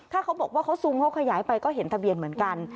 ถ้าเขาบอกว่าเขาซูมเขาขยายไปก็เห็นทะเบียนเหมือนกัน